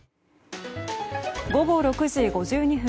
午後６時５２分。